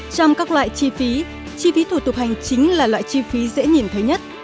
trong các loại chi phí chi phí thủ tục hành chính là loại chi phí dễ nhìn thấy nhất